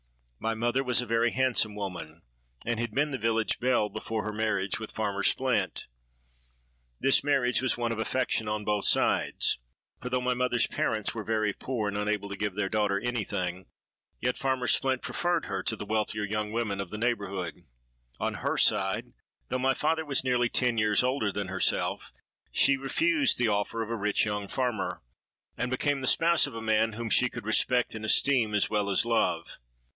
"My mother was a very handsome woman, and had been the village belle before her marriage with Farmer Splint. This marriage was one of affection on both sides; for though my mother's parents were very poor and unable to give their daughter any thing, yet Farmer Splint preferred her to the wealthier young women of the neighbourhood. On her side, though my father was nearly ten years older than herself, she refused the offer of a rich young farmer, and became the spouse of a man whom she could respect and esteem as well as love.